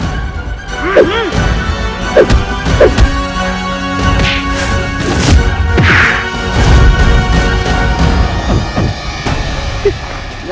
paman aku sudah mencoba jurus cocoldage